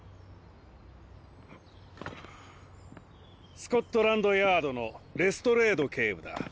スコットランドヤードのレストレード警部だ。